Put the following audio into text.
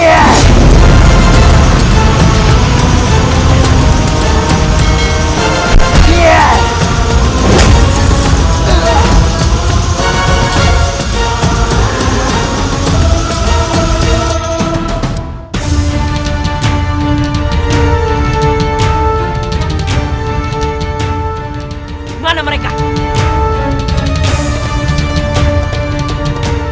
aku sudah selesai